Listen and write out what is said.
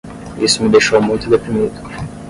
Isso me deixou muito deprimido.